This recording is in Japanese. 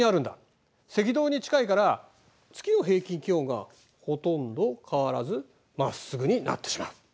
赤道に近いから月の平均気温がほとんど変わらずまっすぐになってしまう。